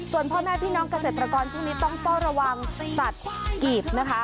ส่วนพ่อแม่พี่น้องเกษตรกรช่วงนี้ต้องเฝ้าระวังสัตว์กีบนะคะ